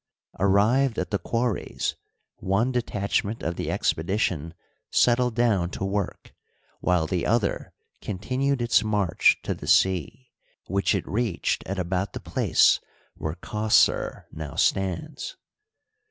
Arrived at the quarries, one detachment of the expedition settled down to work, while the other contin ued its march to the sea, which it reached at about the place where Qoss^r now stands.